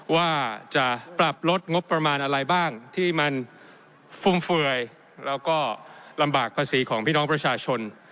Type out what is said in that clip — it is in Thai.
ว่าจะปรับลดงบประมาณอะไรบ้างที่มันฟุ่มเฟื่อยแล้วก็ลำบากภาษีของพี่น้องประชาชน